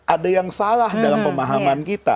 ada yang salah dalam pemahaman kita